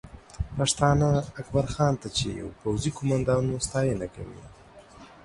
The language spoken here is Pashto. پښتانه اکبرخان ته چې یو پوځي قومندان و، ستاینه کوي